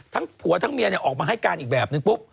ทั้งผัวทั้งเมียเนี่ยออกมาให้การอีกแบบนึงปุ๊บ